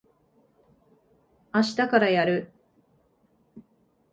あしたからやる。